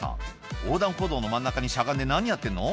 横断歩道の真ん中にしゃがんで何やってんの？